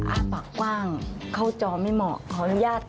อ้าปากกว้างเข้าจอไม่เหมาะขออนุญาต